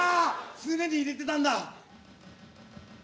常に入れてたんだ。